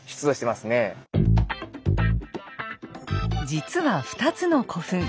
実は２つの古墳